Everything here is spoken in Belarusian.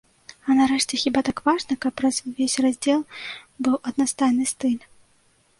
А, нарэшце, хіба так важна, каб праз увесь раздзел быў аднастайны стыль.